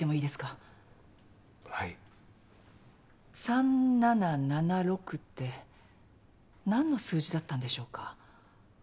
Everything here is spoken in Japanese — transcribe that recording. ３７７６って何の数字だったんでしょうか？